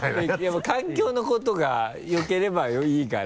でも環境のことがよければいいから。